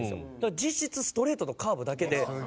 実質ストレートとカーブだけで。